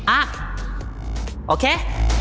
อ่ะโอเค